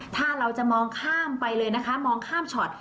ถ้าเราจะมองข้ามไปเลยนะคะมองข้ามช็อต